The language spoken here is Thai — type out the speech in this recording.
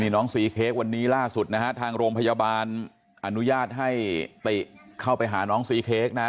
น้องซีเค้กวันนี้ล่าสุดนะฮะทางโรงพยาบาลอนุญาตให้ติเข้าไปหาน้องซีเค้กนะ